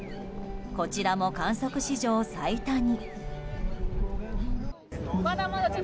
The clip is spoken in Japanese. こちらも観測史上最多に。